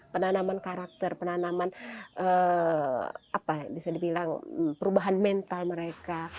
penanaman karakter penanaman perubahan mental mereka